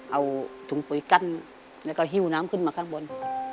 เอาถุงปุ๋ยกั้นแล้วก็หิ้วน้ำขึ้นมาข้างบน